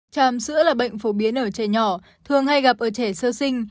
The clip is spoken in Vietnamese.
tràm sữa là bệnh phổ biến ở trẻ nhỏ thường hay gặp ở trẻ sơ sinh